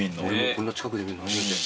こんな近くで見るの初めて。